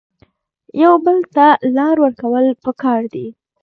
یو بل ته لار ورکول پکار دي